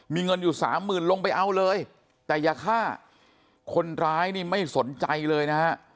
มีเงินอยู่สามหมื่นลงไปเอาเลยแต่อย่าฆ่าคนร้ายนี่ไม่สนใจเลยนะฮะ